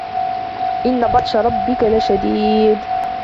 إِنَّ بَطْشَ رَبِّكَ لَشَدِيدٌ